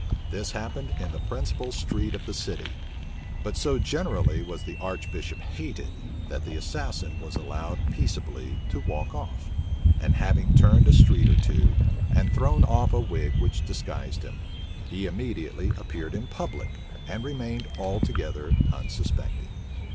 This happened in the principal street of the city; but so generally was the archbishop hated, that the assassin was allowed peaceably to walk off; and having turned a street or two, and thrown off a wig which disguised him, he immediately appeared in public, and remained altogether unsuspected.